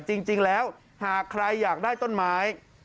จริงแล้วหากใครอยากได้ต้นไม้